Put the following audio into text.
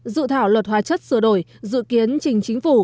dự thảo luật hóa chất sửa đổi dự kiến trình chính phủ